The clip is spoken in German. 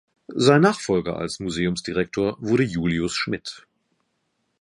Sein Nachfolger als Museumsdirektor wurde Julius Schmidt.